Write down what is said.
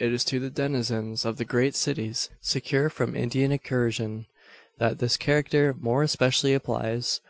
It is to the denizens of the great cities, secure from Indian incursion, that this character more especially applies.